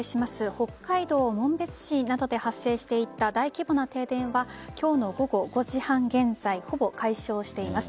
北海道紋別市などで発生していた大規模な停電は今日の午後５時半現在ほぼ解消しています。